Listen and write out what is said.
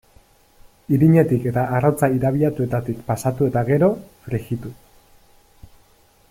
Irinetik eta arrautza irabiatuetatik pasatu eta gero, frijitu.